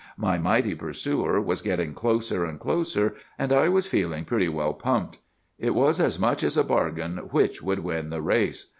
My mighty pursuer was getting closer and closer; and I was feeling pretty well pumped. It was as much as a bargain which would win the race.